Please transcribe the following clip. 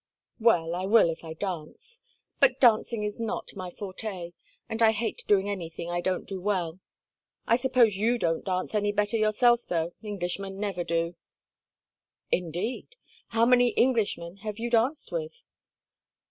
"Well, I will if I dance. But dancing is not my forte, and I hate doing anything I don't do well. I suppose you don't dance any better yourself, though. Englishmen never do." "Indeed! How many Englishmen have you danced with?"